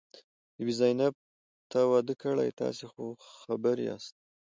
بي بي زينت، تا واده کړی؟ تاسې خو خبر یاست.